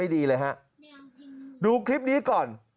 ดูคลิปนี้ก่อน